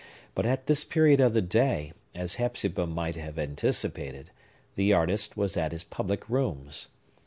But, at this period of the day, as Hepzibah might have anticipated, the artist was at his public rooms.